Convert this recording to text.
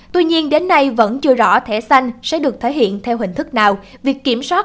tuy nhiên đến nay vẫn chưa rõ thẻ xanh sẽ được thể hiện theo hình thức nào